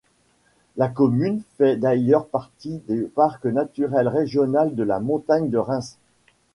La commune fait d'ailleurs partie du parc naturel régional de la Montagne de Reims.